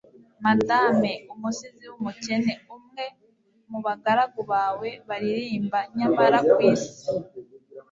madame, umusizi w'umukene, umwe mu bagaragu bawe baririmba nyamara ku isi